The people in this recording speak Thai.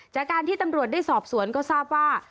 จากการที่ตำรวจได้สอบสวนก็ทราบว่า